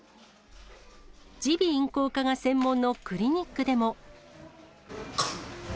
耳鼻咽喉科が専門のクリニックでも。